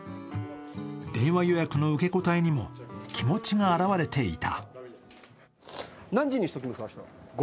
電話予約の受け答えにも気持ちが表れていた。